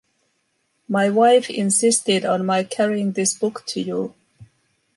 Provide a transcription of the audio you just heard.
My wife insisted on my carrying this book to you.